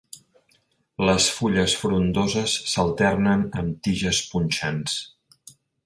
Les fulles frondoses s'alternen amb tiges punxants.